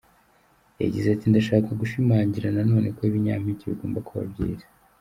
Yagize ati: “Ndashaka gushimangira na none ko ibinyampeke bigomba kuba byiza.